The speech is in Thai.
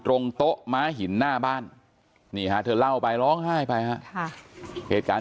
ตรงโต๊ะม้าหินหน้าบ้านนี่ฮะเธอเล่าไปร้องไห้ไปฮะเหตุการณ์